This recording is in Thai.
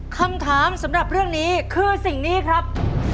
คำถามสำหรับเรื่องนี้คือสิ่งนี้ครับ